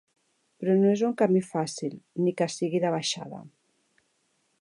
Però no és un camí fàcil, ni que sigui de baixada.